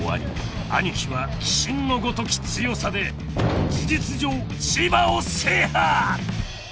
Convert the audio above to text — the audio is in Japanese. ［アニキは鬼神のごとき強さで事実上千葉を制覇！］